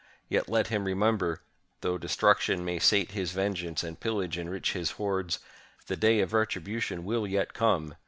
Yet let him remember, though destruction may sate his vengeance and pillage enrich his hoards, the day of retribution will yet come.